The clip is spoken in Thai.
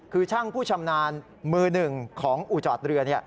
คือช่างผู้ชำนาญมือหนึ่งของอู่จอดเรือ